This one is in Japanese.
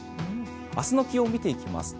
明日の気温を見ていきますと